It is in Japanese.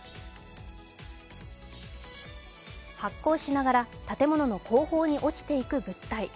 発光しながら建物の後方に落ちていく物体。